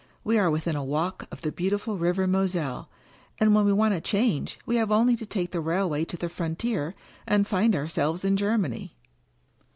We are within a walk of the beautiful River Moselle. And when we want a change we have only to take the railway to the frontier, and find ourselves in Germany."